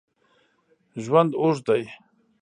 ژوند اوږد دی